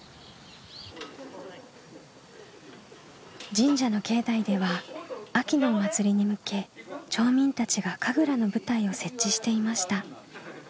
神社の境内では秋のお祭りに向け町民たちが神楽の舞台を設置していました。